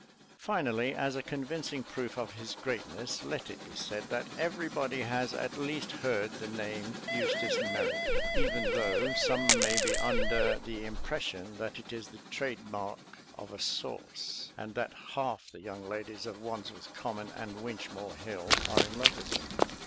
Finally, as a convincing proof of his greatness, let it be said that everybody has at least heard the name "Eustace Merrowby" even though some may be under the impression that it is the trade mark of a sauce; and that half the young ladies of Wandsworth Common and Winchmore Hill are in love with him.